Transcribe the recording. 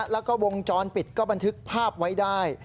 แล้วก็วงจรปิดก็บันทึกภาพไว้ได้